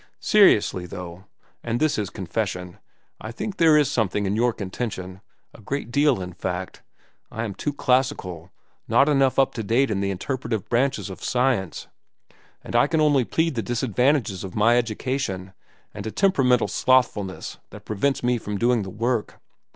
Seriously, though—and this is confession—I think there is something in your contention—a great deal, in fact. I am too classical, not enough up to date in the interpretative branches of science, and I can only plead the disadvantages of my education and a temperamental slothfulness that prevents me from doing the work.